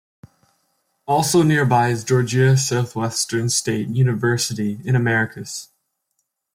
Also nearby is Georgia Southwestern State University in Americus.